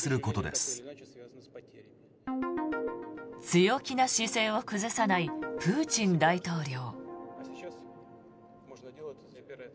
強気な姿勢を崩さないプーチン大統領。